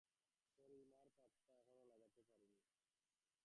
তোর ইমার পাত্তা এখনো লাগাতে পারি নি।